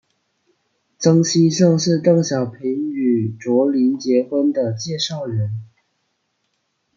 曾希圣是邓小平与卓琳结婚的介绍人。